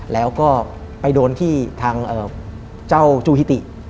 แล้วก็ไปโดนที่ทางเจ้าจูฮิติ